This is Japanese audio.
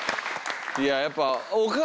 いややっぱ。